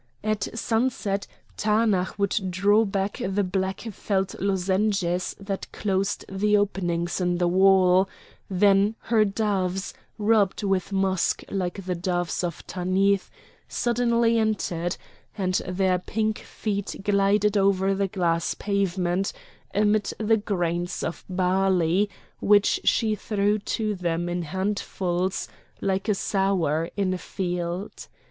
At sunset Taanach would draw back the black felt lozenges that closed the openings in the wall; then her doves, rubbed with musk like the doves of Tanith, suddenly entered, and their pink feet glided over the glass pavement, amid the grains of barley which she threw to them in handfuls like a sower in a field.